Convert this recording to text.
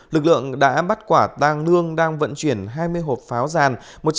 lực lượng đã bắt quả tàng lương đang vận chuyển hai mươi hộp pháo ràn